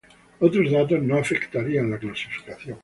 Otros datos no afectarían la clasificación.